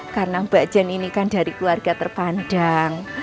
karena mbak jen ini kan dari keluarga terpandang